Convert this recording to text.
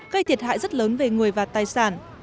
gây thiệt hại rất lớn về người và tài sản